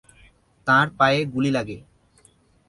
তাঁর পায়ে গুলি লাগে।